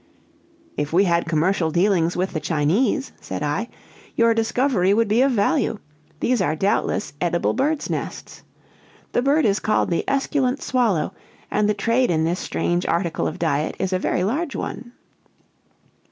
"If we had commercial dealings with the Chinese," said I, "your discovery would be of value; these are doubtless edible birds' nests. The bird is called the esculent swallow, and the trade in this strange article of diet is a very large one.